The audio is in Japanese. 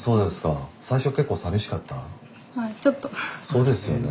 そうですよね。